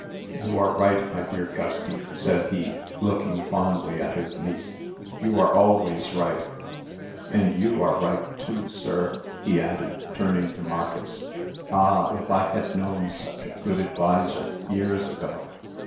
"You are right, my dear Gusty," said he, looking fondly at his niece. "You are always right. And you are right, too, sir," he added, turning to Marcus. "Ah, if I had known such a good adviser years ago."